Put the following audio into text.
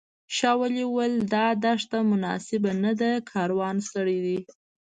شاولي وویل دا دښته مناسبه نه ده کاروان ستړی دی.